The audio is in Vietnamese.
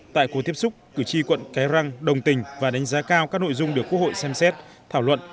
tại cuộc tiếp xúc cử tri quận cái răng đồng tình và đánh giá cao các nội dung được quốc hội xem xét thảo luận